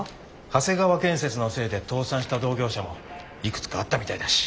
長谷川建設のせいで倒産した同業者もいくつかあったみたいだし。